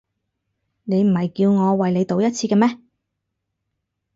你唔係叫我為你賭一次嘅咩？